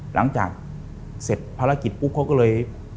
หลังจากเสร็จภารกิจปุ๊บเขาก็เลย